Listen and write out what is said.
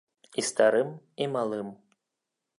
І старым, і малым.